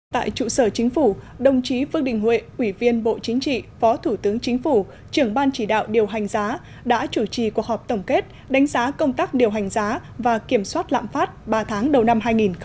tại trụ sở chính phủ đồng chí phước đình huệ ủy viên bộ chính trị phó thủ tướng chính phủ trưởng ban chỉ đạo điều hành giá đã chủ trì cuộc họp tổng kết đánh giá công tác điều hành giá và kiểm soát lạm phát ba tháng đầu năm hai nghìn một mươi chín